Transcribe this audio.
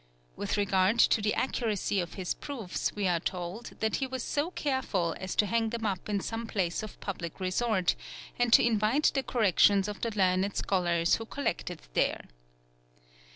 With regard to the accuracy of his proofs we are told that he was so careful as to hang them up in some place of public resort, and to invite the corrections of the learned scholars who collected there.